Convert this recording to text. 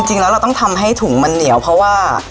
จริงแล้วเราต้องทำให้ถุงมันเหนียวเพราะว่า